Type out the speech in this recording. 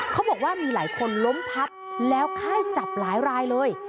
เขาบอกว่ามีหลายคนล้มพับแล้วค่ายจับหลายรายเลย